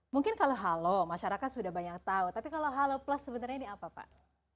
mungkin kalau halo masyarakat sudah banyak tahu tapi kalau halo plus sebenarnya ini apa pak